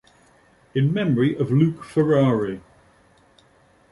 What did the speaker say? In memory of Luc Ferrari.